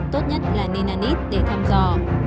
tốt nhất là nên ăn ít để thăm dò